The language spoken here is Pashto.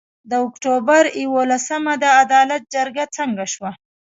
د اُکټوبر یولسمه د عدالت جرګه څنګه سوه؟